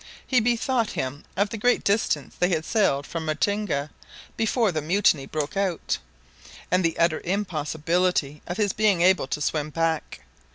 He bethought him of the great distance they had sailed from Ratinga before the mutiny broke out, and the utter impossibility of his being able to swim back.